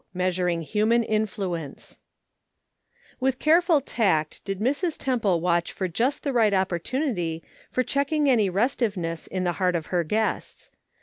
MEASURING HUMAN INFLUENCE I ITH careful tact did Mrs. Temple watch for just the right opportunity for check ing any restiveness in the heart of her guests.